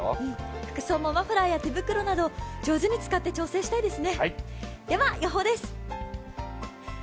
服装もマフラーや手袋など、上手に使って調整したいですね。